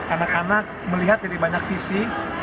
anak anak melihat dari banyak sisi